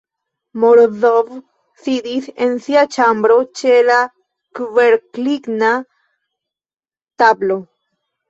Morozov sidis en sia ĉambro ĉe la kverkligna tablo.